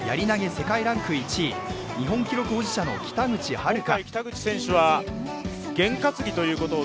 世界ランク１位日本記録保持者の北口榛花。